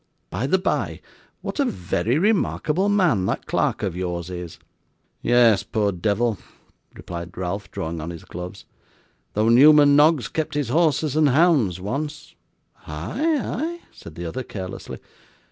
'By the bye, what a VERY remarkable man that clerk of yours is.' 'Yes, poor devil!' replied Ralph, drawing on his gloves. 'Though Newman Noggs kept his horses and hounds once.' 'Ay, ay?' said the other carelessly.